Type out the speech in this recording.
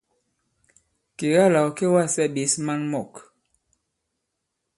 Kèga là ɔ̀ kê wa᷇slɛ ɓěs maŋ mɔ̂k.